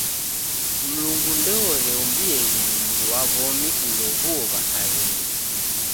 Mlungu ndooreumbieghe mndu wa w'omi ulow'uo w'aka w'engi.